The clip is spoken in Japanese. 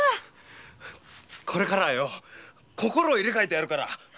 これからはよ心入れ換えてやるから。